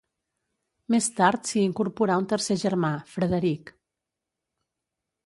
Més tard s'hi incorporà un tercer germà, Frederic.